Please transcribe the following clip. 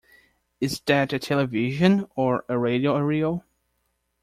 Is that a television or a radio aerial?